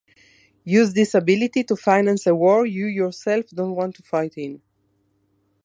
Use this ability to finance a war you yourself don't want to fight in.